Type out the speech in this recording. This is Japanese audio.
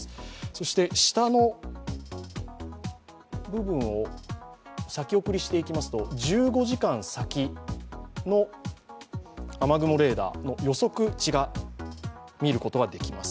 そして下の部分を先送りしていきますと１５時間先の雨雲レーダーの予測値が見ることができます。